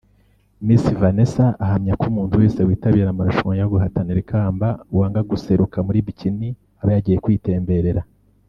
Miss Vanessa ahamya ko umuntu wese witabira amarushanwa yo guhatanira ikamba wanga guseruka muri Bikini aba yagiye kwitemberera